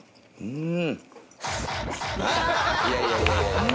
うん。